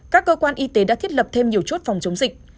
các cơ quan y tế đã thiết lập thêm nhiều chốt phòng chống dịch